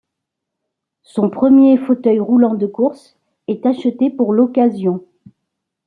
Son premier fauteuil roulant de course est acheté pour l'occasion.